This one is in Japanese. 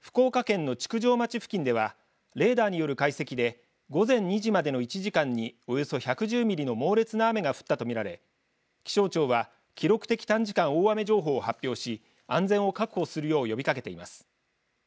福岡県の築上町付近ではレーダーによる解析で午前２時までの１時間におよそ１１０ミリの猛烈な雨が降ったと見られ気象庁は記録的短時間大雨情報を発表し安全を確保するよう呼びかけています。